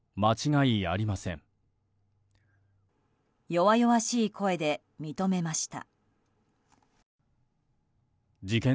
弱々しい声で認めました。